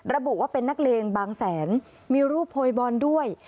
ระบุว่าเป็นนักเลงบางแสนมีรูปโพยบอลด้วย